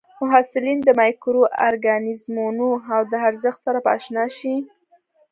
محصلین د مایکرو ارګانیزمونو او د ارزښت سره به اشنا شي.